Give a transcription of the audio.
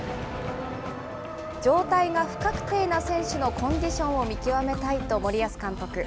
状態が不確定な選手のコンディションを見極めたいと森保監督。